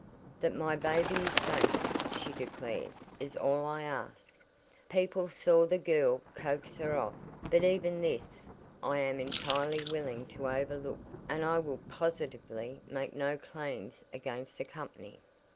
"That my baby is safe," she declared, "is all I ask. People saw the girl coax her off, but even this I am entirely willing to overlook, and I will positively make no claims against the company."